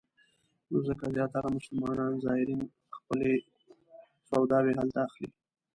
نو ځکه زیاتره مسلمان زایرین خپلې سوداوې هلته اخلي.